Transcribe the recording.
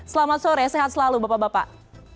selamat sore sehat selalu bapak bapak